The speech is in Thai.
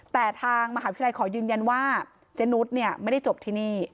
แต่ทางมหาวิทยาลัยขอยืนยันว่าเจนุสเนี่ยไม่ได้จบที่นี่